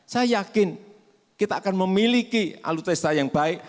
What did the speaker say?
saya yakin kita akan memiliki alutesta yang baik